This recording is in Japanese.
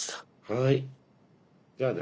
はいじゃあね。